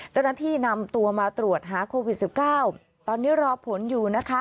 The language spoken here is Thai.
เจ้าหน้าที่นำตัวมาตรวจหาโควิด๑๙ตอนนี้รอผลอยู่นะคะ